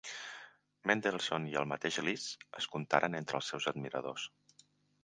Mendelssohn i el mateix Liszt es contaren entre els seus admiradors.